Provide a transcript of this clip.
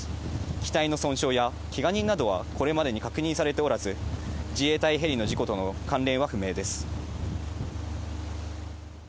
機体の損傷やけが人などは、これまでに確認されておらず、自衛隊ヘリの事故との関連は不明です。